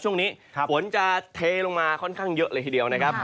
ช่วงนี้ฝนจะเทลงมาค่อนข้างเยอะเลยทีเดียวนะครับ